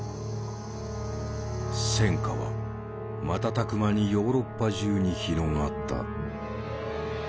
戦火は瞬く間にヨーロッパ中に広がった。